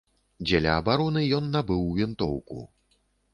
Дзеля абароны ён набыў вінтоўку.